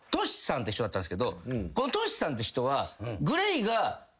このＴＯＳＨＩさんって人は。